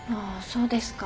そうですか。